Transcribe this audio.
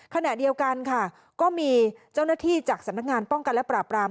ขณะเดียวกันค่ะก็มีเจ้าหน้าที่จากสำนักงานป้องกันและปราบราม